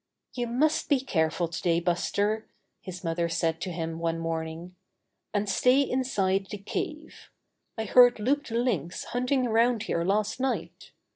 "You must be careful today, Buster,'' his mother said to him one morning, "and stay inside the cave. I heard Loup the Lynx hunting around here last night.